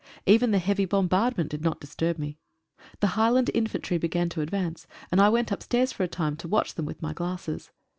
Even the heavy bombardment did not disturb me. The H.L.I, began to advance, and I went upstairs for a time to watch them with my glasses.